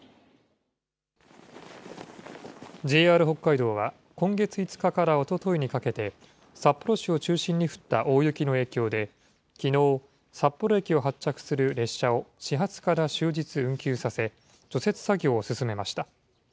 ＪＲ北海道は、今月５日からおとといにかけて、札幌市を中心に降った大雪の影響で、きのう、札幌駅を発着する列車を始発から終日運休させ、除雪作業を進めました。